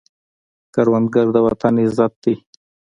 کروندګر د وطن عزت دی